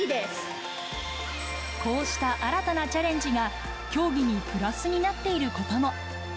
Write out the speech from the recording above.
こうした新たなチャレンジが、競技にプラスになっていることも。